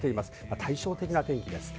対照的な天気です。